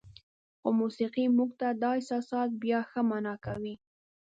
خو موسیقي موږ ته دا احساسات بیا ښه معنا کوي.